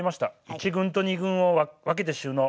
１軍と２軍を分けて収納。